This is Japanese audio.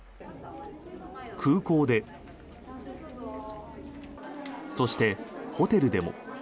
空港で、そしてホテルでも。